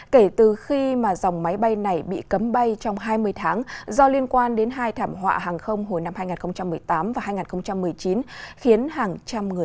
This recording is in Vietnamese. kể từ khi mà dòng máy bay này bị cấm bay trong hai mươi tháng do liên quan đến hai thảm họa hàng không